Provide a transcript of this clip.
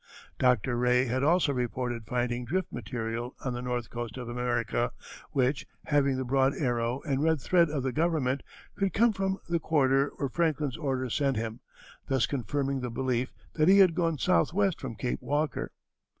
Dr. Rae had also reported finding drift material on the north coast of America, which, having the broad arrow and red thread of the government, could come from the quarter where Franklin's orders sent him, thus confirming the belief that he had gone southwest from Cape Walker.